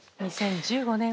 ２０１５年